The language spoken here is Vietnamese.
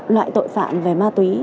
loại tội phạm về ma túy